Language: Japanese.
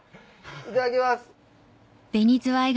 いただきます。